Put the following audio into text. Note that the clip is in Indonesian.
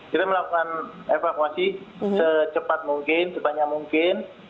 kita melakukan evakuasi secepat mungkin sebanyak mungkin